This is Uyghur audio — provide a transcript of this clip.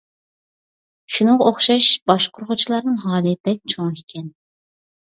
شۇنىڭغا ئوخشاش باشقۇرغۇچىلارنىڭ ھالى بەك چوڭ ئىكەن.